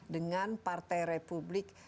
dengan partai republik